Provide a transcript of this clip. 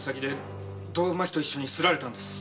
胴巻きと一緒にすられたんです。